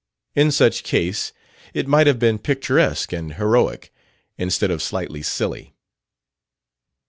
In such case it might have been picturesque and heroic, instead of slightly silly.